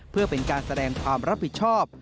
เพื่อเป็นการแสดงความรับผิดชอบ